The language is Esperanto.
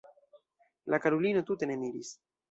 La karulino tute ne miris.